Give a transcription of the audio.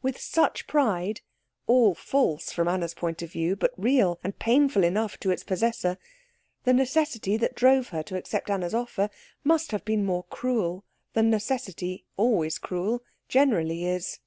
With such pride, all false from Anna's point of view, but real and painful enough to its possessor, the necessity that drove her to accept Anna's offer must have been more cruel than necessity, always cruel, generally is.